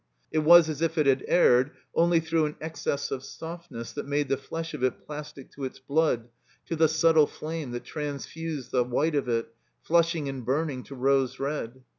It was as if it had erred only through an excess of sof t^ ness that made the flesh of it plastic to its blood, to the subtle flame that transfused the white of it, flushing and burning to rose red.